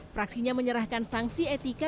fraksinya menyerahkan sanksi etika